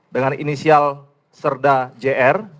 dengan inisial serda jr